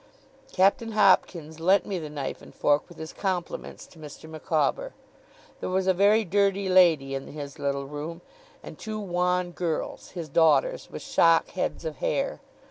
Captain Hopkins lent me the knife and fork, with his compliments to Mr. Micawber. There was a very dirty lady in his little room, and two wan girls, his daughters, with shock heads of hair.